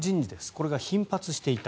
これが頻発していた。